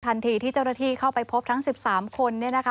ทันทีที่เจ้าหน้าที่เข้าไปพบทั้ง๑๓คน